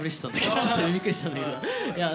ちょっとびっくりしたんだけど。